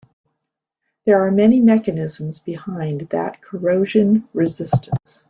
There are many mechanisms behind that corrosion resistance.